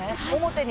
表に？